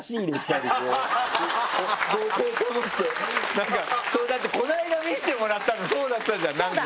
こうやって持ってだってこの間見せてもらったのそうだったじゃんなんか。